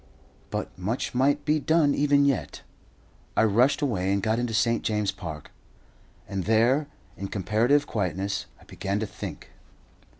But much might be done even yet. I rushed away, and got into St. James's Park, and there, in comparative quietness, I began to think.